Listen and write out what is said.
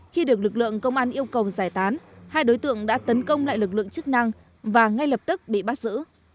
khi được lực lượng công an yêu cầu giải tán hai đối tượng đã tấn công lại lực lượng chức năng và ngay lập tức bị bắt giữ